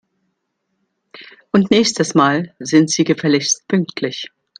Und nächstes Mal sind Sie gefälligst pünktlich!